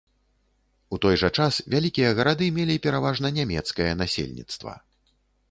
У той жа час вялікія гарады мелі пераважна нямецкае насельніцтва.